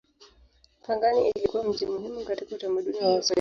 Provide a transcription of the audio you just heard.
Pangani ilikuwa mji muhimu katika utamaduni wa Waswahili.